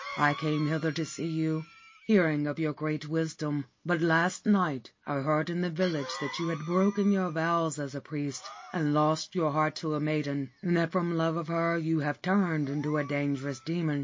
I came hither to see you, hearing of your great wisdom ; but last night I heard in the village that you had broken your vows as a priest and lost your heart to a maiden, and that from love of her you have turned into a dangerous demon.